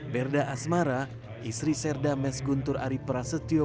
berda asmara istri serda meskuntur ari prasetyo